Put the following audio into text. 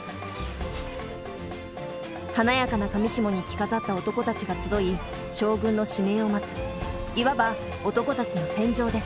華やかな裃に着飾った男たちが集い将軍の指名を待ついわば男たちの戦場です。